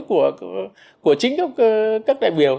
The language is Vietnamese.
của chính các đại biểu